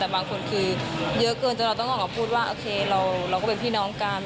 แต่บางคนคือเยอะเกินจนเราต้องออกมาพูดว่าโอเคเราก็เป็นพี่น้องกัน